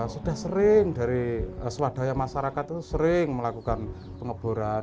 sudah sering dari swadaya masyarakat itu sering melakukan pengeboran